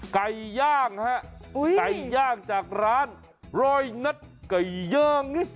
ไก่ย่างครับจากร้านรอยนัดไก่ย่าง